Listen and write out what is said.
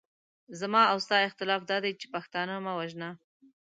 زما او ستا اختلاف دادی چې پښتانه مه وژنه.